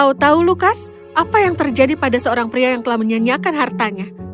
tahu tahu lukas apa yang terjadi pada seorang pria yang telah menyanyiakan hartanya